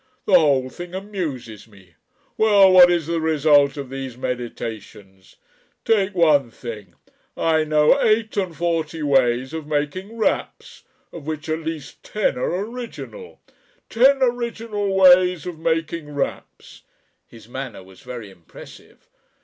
The whole thing amuses me. Well what is the result of these meditations? Take one thing: I know eight and forty ways of making raps of which at least ten are original. Ten original ways of making raps." His manner was very impressive.